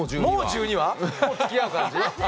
もうつきあう感じ？